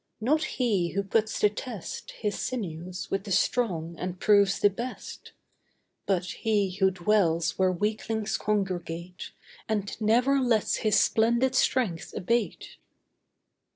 Not he who puts to test His sinews with the strong and proves the best; But he who dwells where weaklings congregate, And never lets his splendid strength abate.